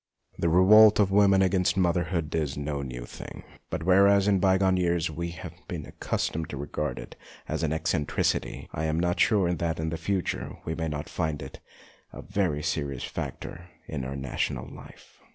The revolt of woman against motherhood is no new thing ; but whereas in bygone years we have been accustomed to regard it as an eccentricity, I am not sure that in the future we may not find it a very serious factor in our national life.